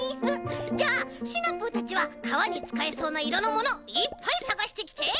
じゃあシナプーたちはかわにつかえそうないろのものいっぱいさがしてきて！